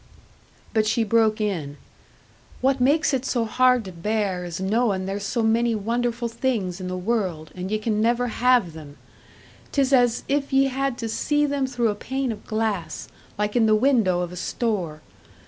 But she broke in, "What makes it so hard to bear is knowin' there's so many wonderful things in the world, and ye can never have them! 'Tis as if ye had to see them through a pane of glass, like in the window of a store.